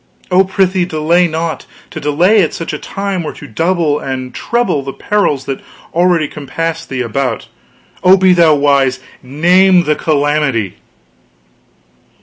Oh, prithee delay not; to delay at such a time were to double and treble the perils that already compass thee about. Oh, be thou wise name the calamity!"